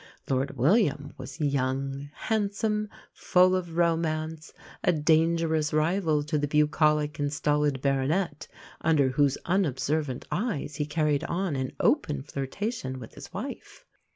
Lord William was young, handsome, full of romance, a dangerous rival to the bucolic and stolid baronet, under whose unobservant eyes he carried on an open flirtation with his wife.